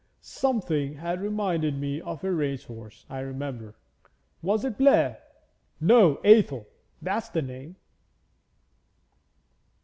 Something that reminded me of a race horse, I remember. Was it Blair? No Athel! That's the name.'